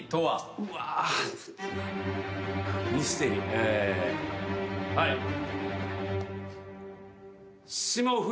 はい。